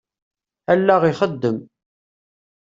Allaɣ ixeddem.